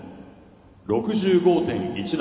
６５．１７。